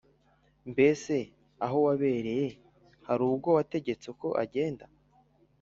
Mbese aho wabereye hari ubwo wategetse ko agenda